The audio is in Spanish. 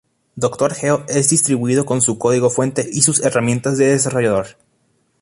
Dr. Geo es distribuido con su código fuente y sus herramientas de desarrollador.